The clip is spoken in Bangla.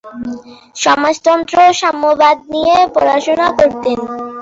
সমাজতন্ত্র ও সাম্যবাদ নিয়ে পড়াশোনা করতেন।